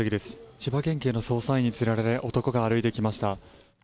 千葉県警の捜査員に連れられて、男が歩いてきました。